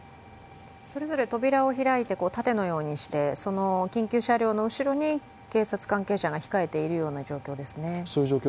それぞれ扉を開いて、盾のようにして緊急車両の後ろに警察関係者が控えているような状況ですね。